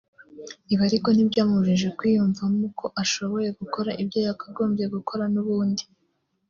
Ibi ariko ntibyamubujije kwiyumvamo ko ashoboye gukora ibyo yakagombye gukora n’ubundi